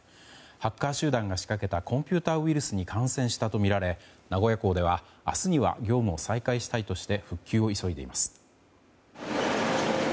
ハッカー集団が仕掛けたコンピューターウイルスに感染したとみられ名古屋港では明日には業務を再開したいとして復旧を急いでいます。